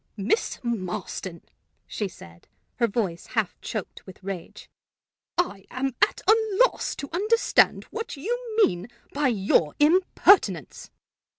"Miss Marston," she said, her voice half choked with rage, "I am at a loss to understand what you mean by your impertinence."